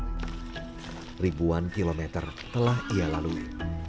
lebih dari ribuan kilometer telah ia lalui